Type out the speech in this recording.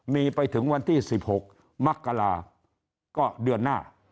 มีไปถึงวันที่๑๖มกราก็เดือนหน้า